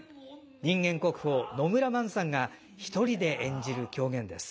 人間国宝野村萬さんが一人で演じる狂言です。